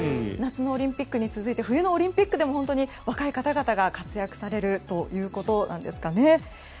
夏のオリンピックに続いて冬のオリンピックでも若い方々が活躍されるということですかね。